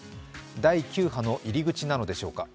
第９波の入り口なのでしょうか。